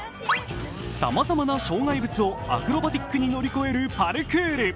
さまざまな障害物を、アクロバティックに乗り越える、パルクール。